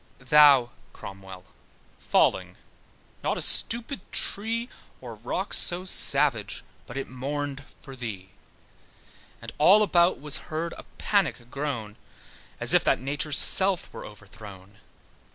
Thou, Cromwell, falling, not a stupid tree, Or rock so savage, but it mourned for thee: And all about was heard a panic groan, As if that Nature's self were overthrown.